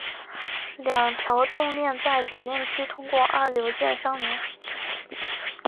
两条重链在铰链区通过二硫键相连。